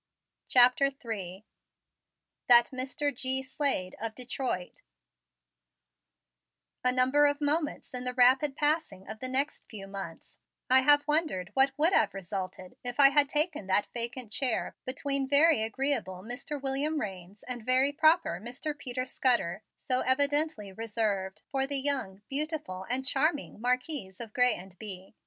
CHAPTER III THAT MR. G. SLADE OF DETROIT A number of moments in the rapid passing of the next few months I have wondered what would have resulted if I had taken that vacant chair between very agreeable Mr. William Raines and very proper Mr. Peter Scudder so evidently reserved for the young, beautiful and charming Marquise of Grez and Bye.